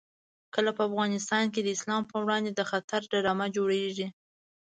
کله په افغانستان کې د اسلام په وړاندې د خطر ډرامه جوړېږي.